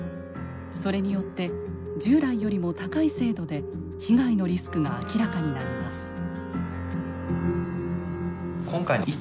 それによって従来よりも高い精度で被害のリスクが明らかになります。